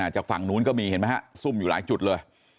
จากฝั่งนู้นก็มีเห็นไหมฮะซุ่มอยู่หลายจุดเลย